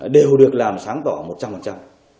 đều được làm sáng tỏa một trăm linh